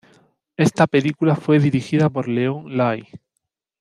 Esta película fue dirigida por Leon Lai.